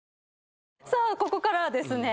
さあここからはですね